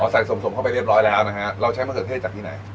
ใส่สมเข้าไปเรียบร้อยแล้วนะฮะเราใช้มะเขือเทศจากที่ไหน